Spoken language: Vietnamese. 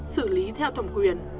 xử lý theo thẩm quyền